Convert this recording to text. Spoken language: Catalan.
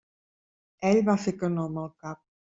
Ell va fer que no amb el cap.